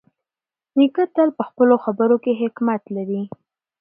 نیکه تل په خپلو خبرو کې حکمت لري.